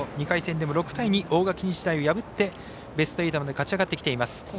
２回戦でも６対２と大垣日大を破ってベスト８まで勝ち上がってきています。